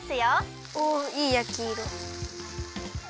おいいやきいろ！